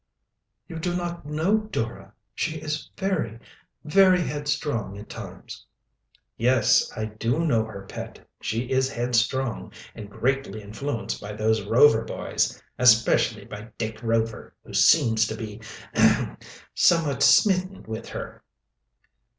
"You do not know Dora. She is very very headstrong at times." "Yes, I do know her, Pet. She is headstrong, and greatly influenced by those Rover boys especially by Dick Rover, who seems to be ahem somewhat smitten with her."